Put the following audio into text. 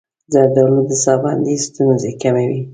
زردآلو د ساه بندۍ ستونزې کموي.